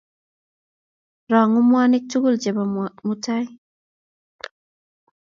Rongu mwanik tugul chebo mutai